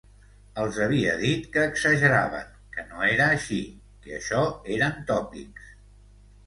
Els havia dit que exageraven, que no era així, que això eren tòpics...